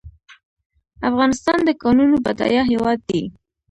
افغانستان د کانونو بډایه هیواد دی